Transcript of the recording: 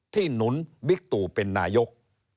ที่หนุนบิกตูเป็นนายก